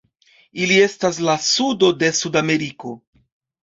Ili estas la sudo de Sudameriko.